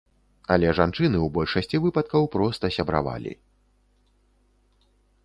Але жанчыны ў большасці выпадкаў проста сябравалі.